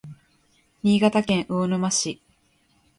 新潟県魚沼市